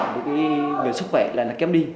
với sức khỏe là nó kém đi